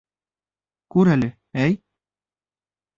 Күр әле, әй!